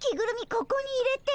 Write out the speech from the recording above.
ここに入れて。